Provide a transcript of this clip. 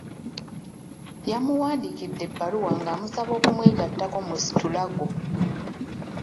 Yamuwandiikidde ebbaluwa ng'amusaba okumwegattako mu situlago.